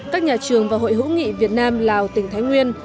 các nhà trường và hội hữu nghị việt nam lào tỉnh thái nguyên